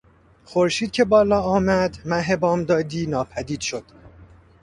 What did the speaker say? خورشید که بالا آمد مه بامدادی ناپدید شد.